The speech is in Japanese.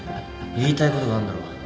言いたいことがあんだろ。